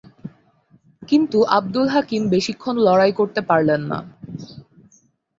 কিন্তু আবদুল হাকিম বেশিক্ষণ লড়াই করতে পারলেন না।